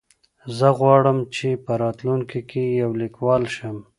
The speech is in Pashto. زه غواړم چې په راتلونکي کې یو لیکوال شم.